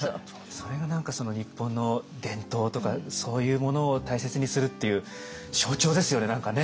それが何か日本の伝統とかそういうものを大切にするっていう象徴ですよね何かね。